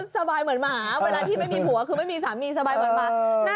สบายเหมือนหมาเวลาที่ไม่มีผัวคือไม่มีสามีสบายเหมือนหมา